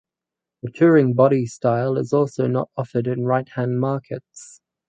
The Touring body style is also not offered in right hand markets.